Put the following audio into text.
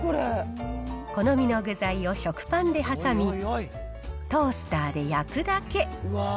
好みの具材を食パンで挟み、トースターで焼くだけ。